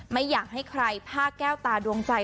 ไม่อยากให้ใครผ้าแก้วตาดวงใจ